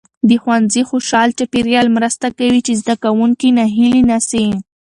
د ښوونځي خوشال چاپیریال مرسته کوي چې زده کوونکي ناهیلي نسي.